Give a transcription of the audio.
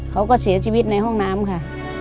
เขาก็เสียชีวิตในห้องน้ำค่ะ